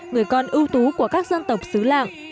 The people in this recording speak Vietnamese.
người con ưu tú của các dân tộc xứ lạng